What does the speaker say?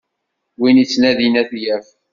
Win ittnadin ad yaf.